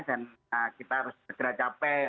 dan kita harus segera capek